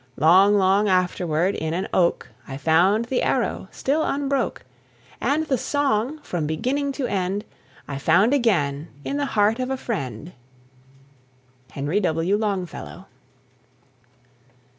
Long, long afterward, in an oak I found the arrow, still unbroke; And the song, from beginning to end, I found again in the heart of a friend. HENRY W. LONGFELLOW.